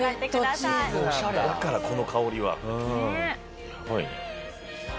だからこの香りは。